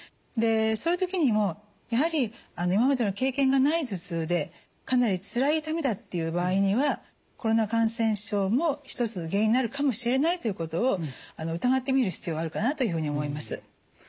でそういう時にもやはり今までの経験がない頭痛でかなりつらい痛みだっていう場合にはコロナ感染症も一つの原因になるかもしれないということを疑ってみる必要があるかなというふうに思います。